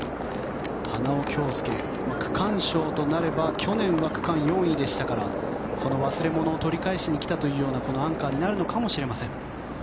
花尾恭輔区間賞となれば去年は区間４位でしたからその忘れ物を取り返しに来たというようなこのアンカーになるのかもしれません。